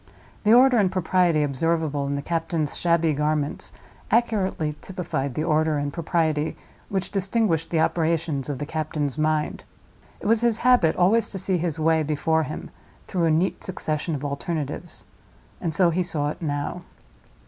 The order and propriety observable in the captain's shabby garments accurately typified the order and propriety which distinguished the operations of the captain's mind. It was his habit always to see his way before him through a neat succession of alternatives—and so he saw it now.